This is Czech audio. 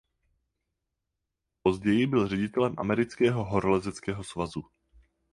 Později byl ředitelem Amerického horolezeckého svazu.